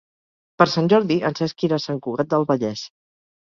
Per Sant Jordi en Cesc irà a Sant Cugat del Vallès.